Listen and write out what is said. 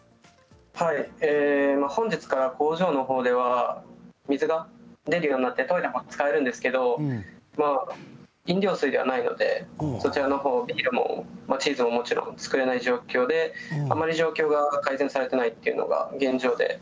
本日から工場の方では水が出るようになって使えるんですけど飲料水ではないのでそちらの方はチーズはもちろん作れない状況でこういう状況を改善されたいというのが現状です。